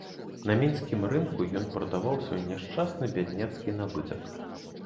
На мінскім рынку ён прадаваў свой няшчасны бядняцкі набытак.